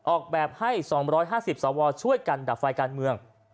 ออกแบบให้๒๕๐สวช่วยกันดับไฟการเมือง